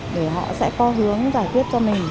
để họ sẽ có hướng giải quyết cho mình